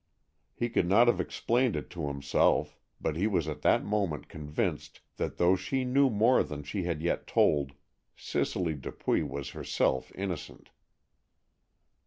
He could not have explained it to himself, but he was at the moment convinced that though she knew more than she had yet told, Cicely Dupuy was herself innocent.